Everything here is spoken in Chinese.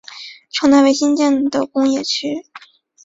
城南为新建的工业区。